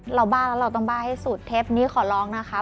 บ้าแล้วเราต้องบ้าให้สุดเทปนี้ขอร้องนะคะ